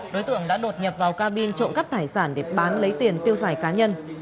đối tượng đã đột nhập vào cabin trộm cắp tài sản để bán lấy tiền tiêu xài cá nhân